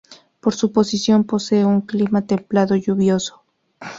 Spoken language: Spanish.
Por su posición, posee un clima templado lluvioso.